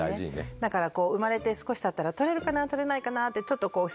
だから生まれて少したったら取れるかな取れないかなって。